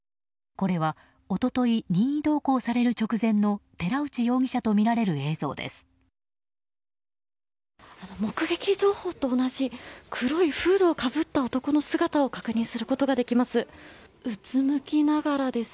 これは一昨日任意同行される直前の寺内容疑者とみられる映像です。